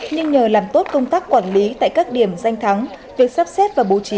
nhưng nhờ làm tốt công tác quản lý tại các điểm danh thắng việc sắp xếp và bố trí